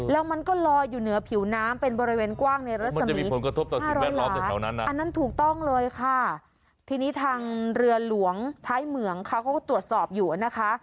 แล้วมันก็ลอยอยู่เหนือผิวน้ำเป็นบริเวณกว้างในรัศนี๕๐๐ล้านอันนั้นถูกต้องเลยค่ะทีนี้ทางเรือหลวงท้ายเหมืองเขาก็ตรวจสอบอยู่นะคะ